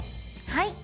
はい。